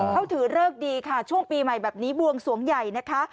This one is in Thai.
เขาถือเลิกดีค่ะช่วงปีใหม่แบบนี้บวงสวงใหญ่นะคะ